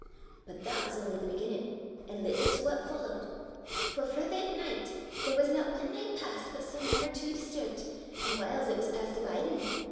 "But that was only the beginnin', an' little to what followed! For frae that nicht there was na ae nicht passed but some ane or twa disturbit, an' whiles it was past a' bidin'.